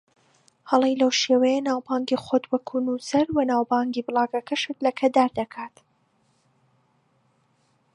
هەڵەی لەو شێوەیە ناوبانگی خۆت وەکو نووسەر و ناوبانگی بڵاگەکەشت لەکەدار دەکات